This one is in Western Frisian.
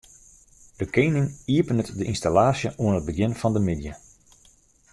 De kening iepenet de ynstallaasje oan it begjin fan de middei.